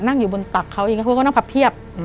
นั่งอยู่บนตักเขาอีกแล้วเขาก็นั่งพับเพียบ